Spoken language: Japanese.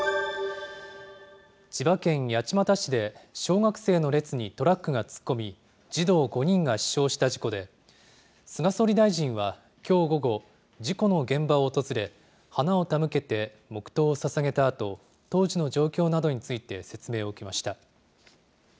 千葉県八街市で、小学生の列にトラックが突っ込み、児童５人が死傷した事故で、菅総理大臣はきょう午後、事故の現場を訪れ、花を手向けて黙とうをささげたあと、当時の状況などについて説明を受けました。